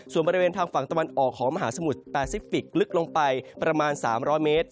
ส่วนบริเวณทางฝั่งตะวันออกของมหาสมุทรแปซิฟิกลึกลงไปประมาณ๓๐๐เมตร